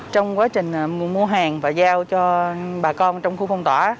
trong quá trình mua hàng và giao cho bà con trong khu phong tỏa